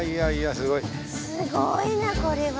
すごいなこれは。